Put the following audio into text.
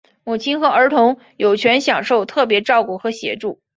母亲和儿童有权享受特别照顾和协助。